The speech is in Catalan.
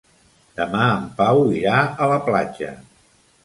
Demà en Pau irà a la platja.